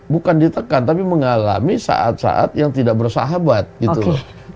bukan ditekan tapi mengalami saat saat yang tidak bersahabat gitu loh